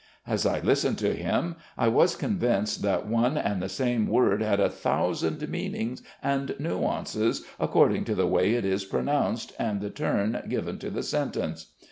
As I listened to him I was convinced that one and the same word had a thousand meanings and nuances according to the way it is pronounced and the turn given to the sentence.